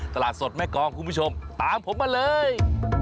ตลาดสดแม่กองคุณผู้ชมตามผมมาเลย